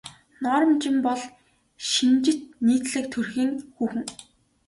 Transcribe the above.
Норма Жин бол хэв шинжит нийтлэг төрхийн хүүхэн.